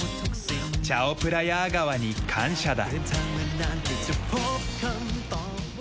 チャオプラヤー川に感謝だ。